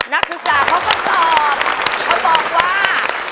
นักศึกษาเขาก็ตอบเขาบอกว่า